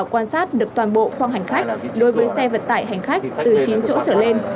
đảm bảo quan sát được toàn bộ khoang hành khách đối với xe vật tải hành khách từ chín chỗ trở lên